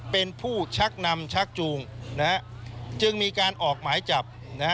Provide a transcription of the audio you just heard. เป็นผู้ชักนำชักจูงจึงมีการออกหมายจับนะฮะ